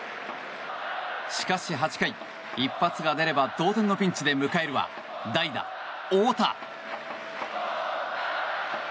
しかし８回、一発が出れば同点のピンチで迎えるは代打、大田。